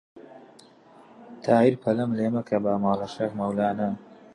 تایر پەلەم لێ مەکە بە ماڵە شێخ مەولانە